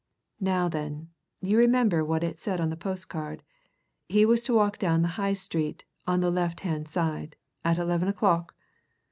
Now, then, you remember what it said on the postcard he was to walk down the High Street, on the left hand side, at eleven o'clock?